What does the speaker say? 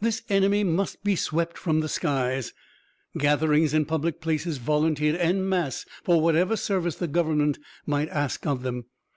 This enemy must be swept from the skies! Gatherings in public places volunteered en masse for whatever service the government might ask of them.